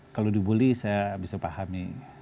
kalau dibully saya bisa pahami